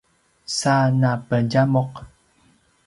sa napedjamuq